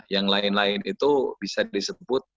yang lain lain itu bisa disebut